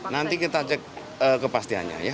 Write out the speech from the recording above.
nanti kita cek kepastiannya ya